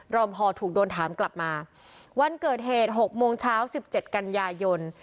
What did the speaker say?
พอถูกโดนถามกลับมาวันเกิดเหตุ๖โมงเช้าสิบเจ็ดกันยายน